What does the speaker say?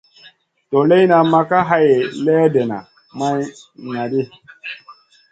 Doleyna ma ka hay léhdéna may ŋah ɗi.